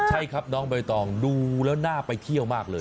ใช่ครับน้องใบตองดูแล้วน่าไปเที่ยวมากเลย